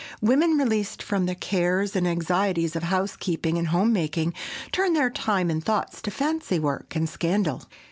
Women, released from the cares and anxieties of housekeeping and home making, turn their time and thoughts to fancy work and scandal.